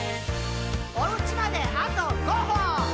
「おうちまであと５歩！」